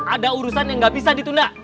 ada urusan yang gak bisa ditunda